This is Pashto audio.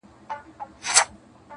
په موسم د پسرلي کي د سرو ګلو!.